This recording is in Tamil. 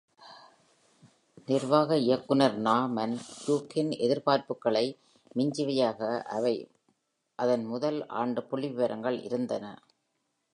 நிர்வாக இயக்குனர் நார்மன் க்யூர்க்கின் எதிர்பார்ப்புகளை மிஞ்சியவையாக அதன் முதல் ஆண்டு புள்ளிவிவரங்கள் இருந்தன.